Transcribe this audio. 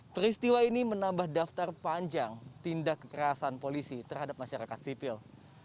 peristiwa ini menambah daftar panjang tindak kekerasan polisi terhadap masyarakat sipil